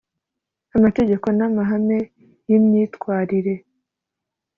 Amategeko n amahame y imyitwarire